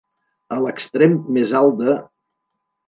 A l'extrem més alt de.